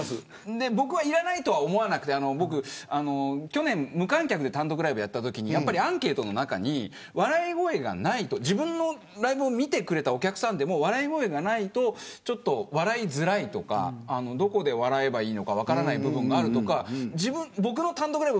僕は、要らないとは思わなくて僕、去年無観客で単独ライブやったときにアンケートの中に自分のライブを見たお客さんでも笑い声がないと笑いづらいとかどこで笑えばいいのか分からない部分があるとか。